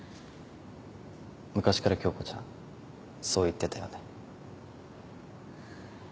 昔から恭子ちゃんそう言ってたよね。